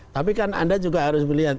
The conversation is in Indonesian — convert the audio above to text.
tapi kan anda juga harus melihat